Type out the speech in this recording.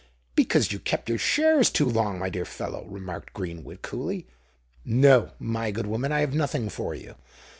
"Because you kept your shares too long, my dear fellow," remarked Greenwood coolly. "No, my good woman—I have nothing for you!"